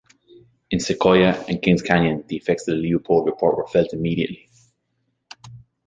In Sequoia and Kings Canyon, the effects of the Leopold report were felt immediately.